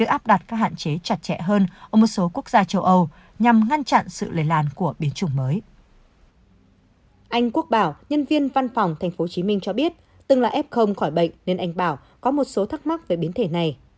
anh quốc bảo nhân viên văn phòng tp hcm cho biết từng là f khỏi bệnh nên anh bảo có một số thắc mắc về biến thể này